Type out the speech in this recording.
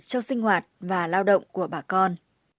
trong sinh hoạt và lao động của bà con